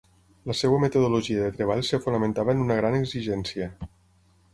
La seva metodologia de treball es fonamentava en una gran exigència.